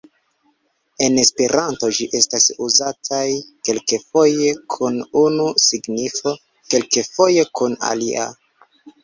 En Esperanto ĝi estas uzataj kelkfoje kun unu signifo, kelkfoje kun alia.